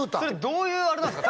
どういうあれなんですか？